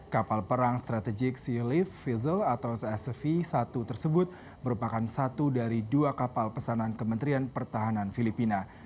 kapal perang strategic lift fuzol atau ssv satu tersebut merupakan satu dari dua kapal pesanan kementerian pertahanan filipina